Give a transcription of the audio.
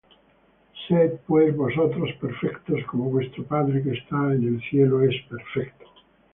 Sed, pues, vosotros perfectos, como vuestro Padre que está en los cielos es perfecto.